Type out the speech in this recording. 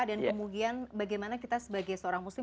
dan kemudian bagaimana kita sebagai seorang muslim